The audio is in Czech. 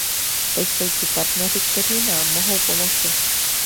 To jsou ti partneři, kteří nám mohou pomoci.